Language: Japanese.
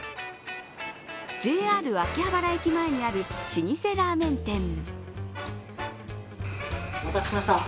ＪＲ秋葉原駅前にある老舗ラーメン点。